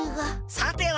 さては。